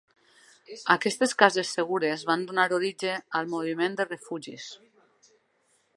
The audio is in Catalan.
Aquestes "cases segures" van donar origen al moviment de refugis.